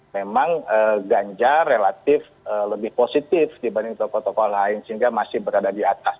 memang ganjar relatif lebih positif dibanding tokoh tokoh lain sehingga masih berada di atas